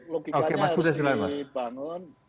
logikanya harus dibangun